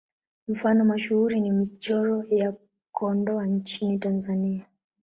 Mfano mashuhuri ni Michoro ya Kondoa nchini Tanzania.